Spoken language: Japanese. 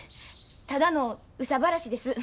ただの憂さ晴らしです。